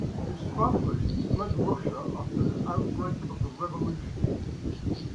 His family fled Russia after the outbreak of the revolution.